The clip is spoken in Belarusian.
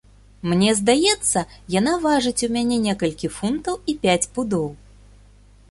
Мне здаецца, яна важыць у мяне некалькі фунтаў і пяць пудоў.